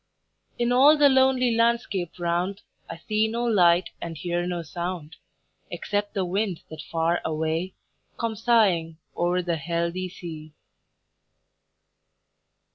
In all the lonely landscape round I see no light and hear no sound, Except the wind that far away Come sighing o'er the healthy sea.